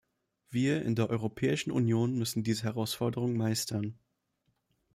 Wir in der Europäischen Union müssen diese Herausforderung meistern.